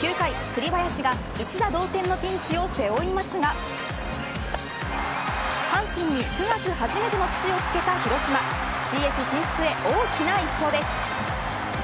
９回、栗林が一打同点のピンチを背負いますが阪神に、９月初めての土をつけた広島ＣＳ進出へ大きな１勝です。